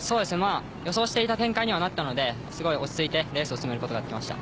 予想していた展開になったので落ち着いてレースを進めることができました。